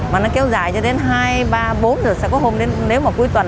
mà nó kéo dài cho đến hai ba bốn giờ sáng có hôm đến nếu mà cuối tuần